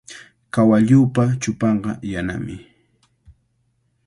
Kawalluupa chupanqa yanami.